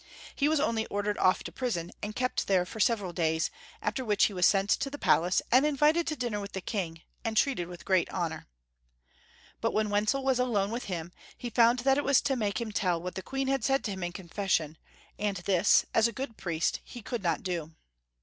He was only ordered off to prison, and kept there for several days, after which he was sent to the palace, invited to dinner with the King, and treated with great honor. But when Wenzel was alone with liim, he found that it was to make him tell what the Queen said to him in confession, and this, as a good priest, he could not do.